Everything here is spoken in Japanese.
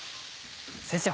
先生